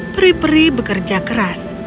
peri peri bekerja keras